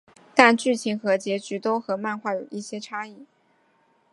但剧情和结局都和漫画有一些差异。